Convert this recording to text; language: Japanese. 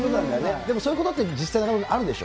でもそういうことって、実際、あるでしょ。